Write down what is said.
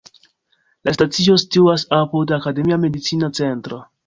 La stacio situas apud "Akademia Medicina Centro".